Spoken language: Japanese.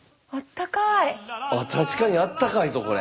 確かにあったかいぞこれ。